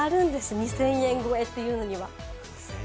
２０００円超えっていうのには。